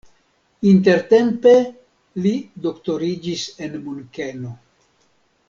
Intertempe li doktoriĝis en Munkeno.